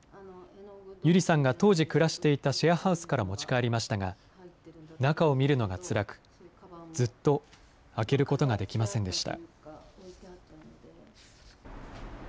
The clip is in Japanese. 友梨さんが当時暮らしていたシェアハウスから持ち帰りましたが、中を見るのがつらく、ずっと開けることができませんでした。